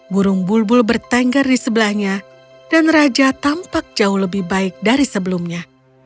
burung bulbul bertengger di sebelahnya dan raja tampak jauh lebih baik dari sebelumnya